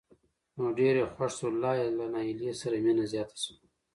نو ډېر یې خوښ شول لا یې له نایلې سره مینه زیاته شوه.